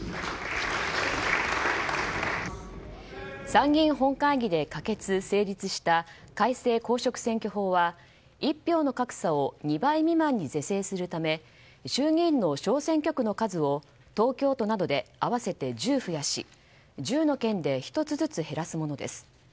参議院本会議で可決・成立した改正公職選挙法は一票の格差を２倍未満に是正するため衆議院の小選挙区の数を東京都などで合わせて１０増やし１０の県で１つずつ減らすものです。